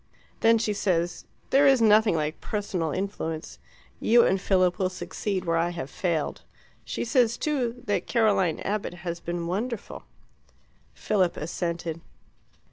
Then she says, 'There is nothing like personal influence; you and Philip will succeed where I have failed.' She says, too, that Caroline Abbott has been wonderful." Philip assented.